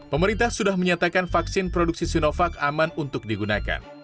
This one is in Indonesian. pemerintah sudah menyatakan vaksin produksi sinovac aman untuk digunakan